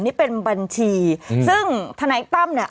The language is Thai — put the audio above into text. นี่เป็นบัญชีซึ่งธนายตั้มเนี่ย